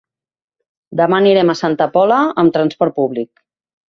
Demà anirem a Santa Pola amb transport públic.